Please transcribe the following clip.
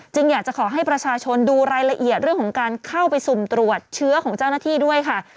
อยากจะขอให้ประชาชนดูรายละเอียดเรื่องของการเข้าไปสุ่มตรวจเชื้อของเจ้าหน้าที่ด้วยค่ะ